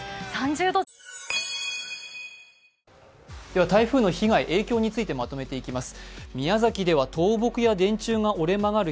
では台風の被害、影響についてまとめていきます。